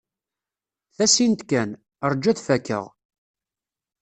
Tasint kan. Rju ad fakkeɣ.